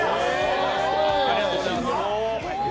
ありがとうございます